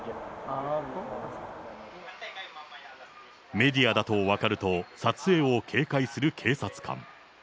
メディアだと分かると、撮影を警戒する警察官。